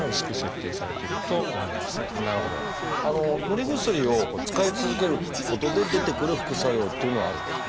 塗り薬を使い続けることで出てくる副作用っていうのはあるんですか？